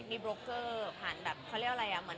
มีโบรกเกอร์ผ่านแบบเขาเรียกอะไร